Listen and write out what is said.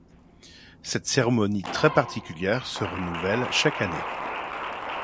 Cette cérémonie très particulière se renouvelle chaque année.